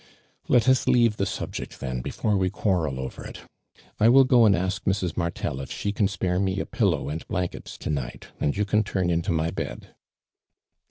" Let us leave the subject, then, before we qiiarrel over it. I will go and ask Mrs. Martel if she can spare me a pillow and blanket to night, aud you can turn into my bod."